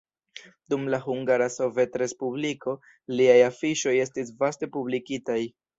Dum la Hungara Sovetrespubliko liaj afiŝoj estis vaste publikitaj.